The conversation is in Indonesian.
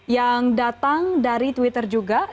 yang datang dari twitter juga